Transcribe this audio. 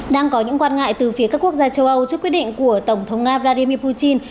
đang có những quan ngại từ phía các quốc gia châu âu trước quyết định của tổng thống nga vladimir putin